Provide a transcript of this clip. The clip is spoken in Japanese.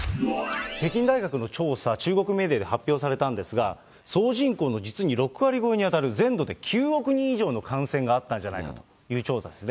北京大学の調査、中国メディアで発表されたんですが、総人口の実に６割超えに当たる全土で９億人以上の感染があったんじゃないかという調査ですね。